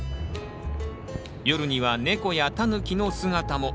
夜にはネコやタヌキの姿も。